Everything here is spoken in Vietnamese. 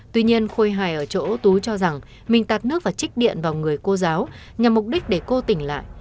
tuy nhiên khôi hài ở chỗ tú cho rằng mình tạt nước và trích điện vào người cô giáo nhằm mục đích để cô tỉnh lại